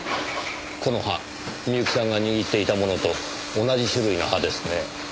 この葉美由紀さんが握っていたものと同じ種類の葉ですね。